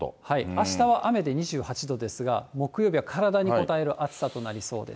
あしたは雨で２８度ですが、木曜日は体にこたえる暑さとなりそうです。